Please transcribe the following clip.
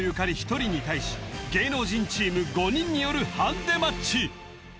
１人に対し芸能人チーム５人によるハンデマッチ